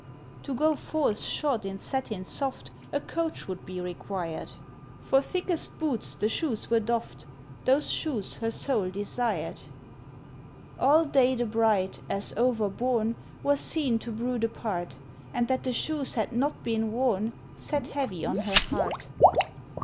"To go forth shod in satin soft A coach would be required!" For thickest boots the shoes were doffed— Those shoes her soul desired ... All day the bride, as overborne, Was seen to brood apart, And that the shoes had not been worn Sat heavy on her heart.